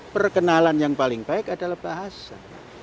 perkenalan yang paling baik adalah bahasa